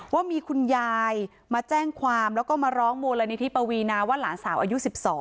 ว่ามีคุณยายมาแจ้งความแล้วก็มาร้องมูลนิธิปวีนาว่าหลานสาวอายุ๑๒